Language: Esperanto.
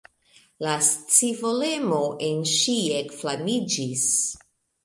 La scivolemo en ŝi ekflamiĝis!